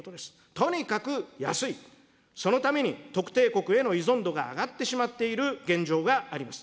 とにかく安い、そのために特定国への依存度が上がってしまっている現状があります。